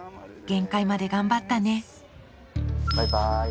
限界まで頑張ったね